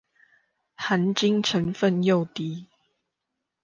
含金成分又更低